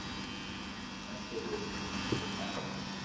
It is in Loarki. اپي ٻئي ملو تو ڪاو ھوئي